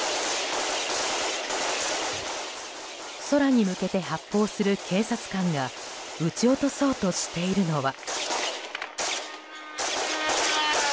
空に向けて発砲する警察官が撃ち落とそうとしているのは。